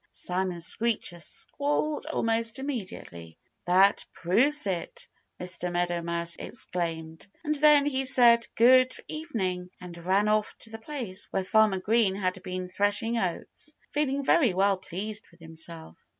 Simon Screecher squalled almost immediately. "That proves it!" Mr. Meadow Mouse exclaimed. And then he said good evening and ran off to the place where Farmer Green had been threshing oats, feeling very well pleased with himself.